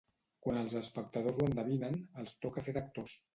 Quan els espectadors ho endevinen els toca fer d'actors.